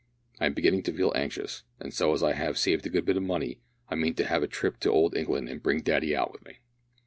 I am beginning to feel anxious, and so as I have saved a good bit of money I mean to have a trip to old England and bring Daddy out with me."